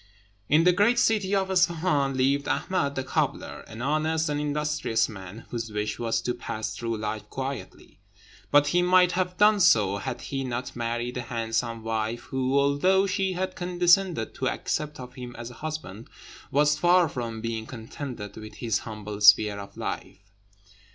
In the great city of Isfahan lived Ahmed the cobbler, an honest and industrious man, whose wish was to pass through life quietly; and he might have done so, had he not married a handsome wife, who, although she had condescended to accept of him as a husband, was far from being contented with his humble sphere of life.